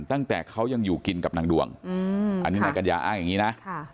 ตั้งแต่เขายังอยู่กินกับนางดวงอันนี้นายกัญญาอ้างอย่างนี้นะ